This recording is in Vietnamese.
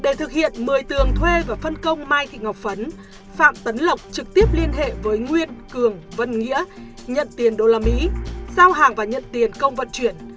để thực hiện một mươi tường thuê và phân công mai thị ngọc phấn phạm tấn lộc trực tiếp liên hệ với nguyên cường vân nghĩa nhận tiền đô la mỹ giao hàng và nhận tiền công vận chuyển